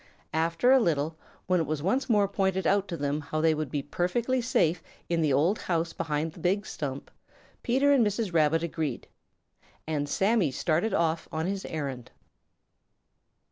After a little, when it was once more pointed out to them how they would be perfectly safe in the old house behind the big stump, Peter and Mrs. Peter agreed, and Sammy started off on his errand.